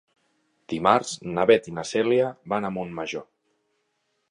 Dimarts na Beth i na Cèlia van a Montmajor.